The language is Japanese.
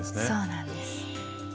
そうなんです。